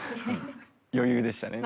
余裕でしたね。